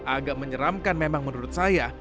agak menyeramkan memang menurut saya